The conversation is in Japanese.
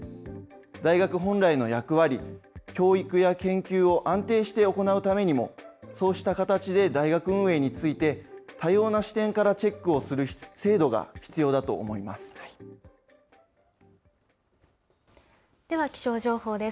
大学本来の役割、教育や研究を安定して行うためにも、そうした形で大学運営について、多様な視点からチェックをする制度が必要だと思います。